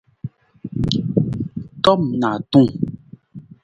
Tom naatung.